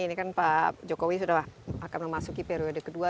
ini kan pak jokowi sudah akan memasuki periode kedua